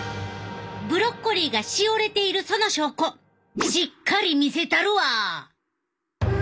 ブロッコリーがしおれているその証拠しっかり見せたるわ！